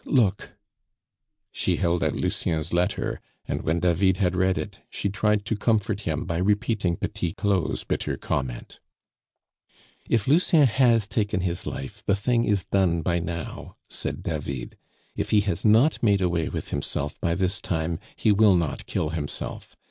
Look." She held out Lucien's letter, and when David had read it, she tried to comfort him by repeating Petit Claud's bitter comment. "If Lucien has taken his life, the thing is done by now," said David; "if he has not made away with himself by this time, he will not kill himself.